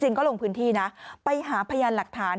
ก็ลงพื้นที่นะไปหาพยานหลักฐาน